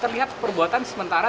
terlihat perbuatan sementara